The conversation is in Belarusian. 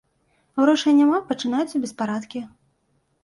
Грошай няма, пачынаюцца беспарадкі.